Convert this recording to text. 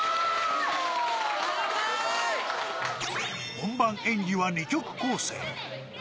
本番演技は２曲構成。